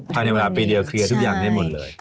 ภายในเวลาปีเดียวเคลียร์ทุกอย่างได้หมดเลย